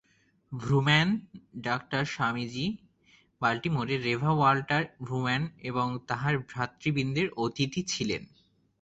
ভ্রূম্যান, ডা স্বামীজী বাল্টিমোরে রেভা ওয়াল্টার ভ্রূম্যান এবং তাঁহার ভ্রাতৃবৃন্দের অতিথি ছিলেন।